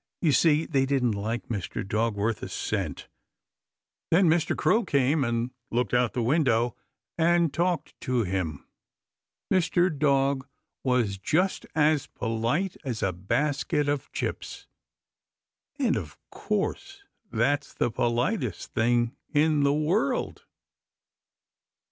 You see, they didn't like Mr. Dog worth a cent. Then Mr. Crow came and looked out the window and talked to him. Mr. Dog was just as polite as a basket of chips, and of course that's the politest thing in the world.